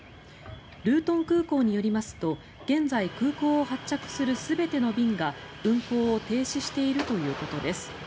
ルートン空港によりますと現在、空港を発着する全ての便が運航を停止しているということです。